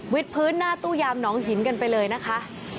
พื้นหน้าตู้ยามหนองหินกันไปเลยนะคะ